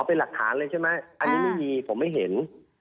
เป็นหลักฐานเลยใช่ไหมอันนี้ไม่มีผมไม่เห็น